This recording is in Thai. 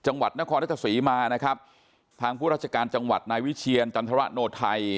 จังหวัดนครรัฐศรีมานะครับทางผู้ราชการจังหวัดนายวิเชียรจันทรโนไทย